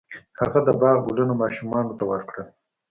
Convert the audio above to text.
هغه د باغ ګلونه ماشومانو ته ورکړل.